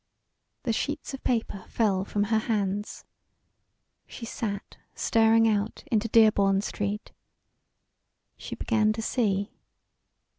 The sheets of paper fell from her hands. She sat staring out into Dearborn Street. She began to see.